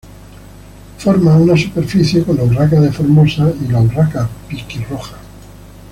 Forma una superespecie con la urraca de Formosa y la urraca piquirroja.